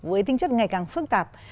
với tinh chất ngày càng phương tạp